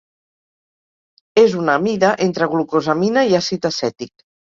És una amida entre glucosamina i àcid acètic.